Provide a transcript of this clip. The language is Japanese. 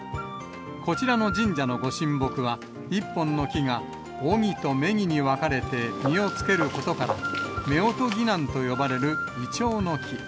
こちらの神社のご神木は、１本の木が雄木と雌木に分かれて実をつけることから、夫婦ぎなんと呼ばれるいちょうの木。